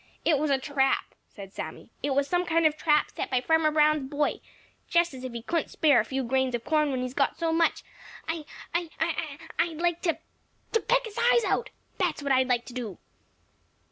"It was a trap," said Sammy. "It was some kind of a trap set by Farmer Brown's boy. Just as if he couldn't spare a few grains of corn when he has got so much! I—I—I'd like to—to peck his eyes out! That's what I'd like to do!"